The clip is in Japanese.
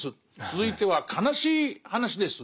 「続いては悲しい話です」。